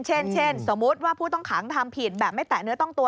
เช่นสมมุติว่าผู้ต้องขังทำผิดแบบไม่แตะเนื้อต้องตัว